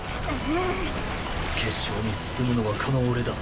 決勝に進むのはこの俺だ。